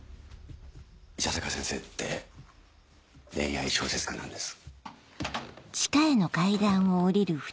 伊佐坂先生って恋愛小説家なんです。